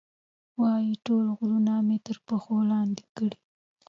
وایي، ټول غرونه مې تر پښو لاندې کړي.